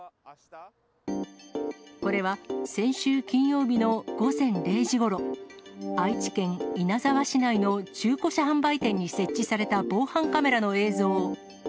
これは、先週金曜日の午前０時ごろ、愛知県稲沢市内の中古車販売店に設置された防犯カメラの映像。